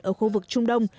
ở khu vực trung đông